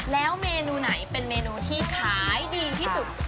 แล้วเมนูไหนเป็นเมนูที่ขายดีที่สุด